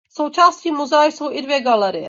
Součástí muzea jsou i dvě galerie.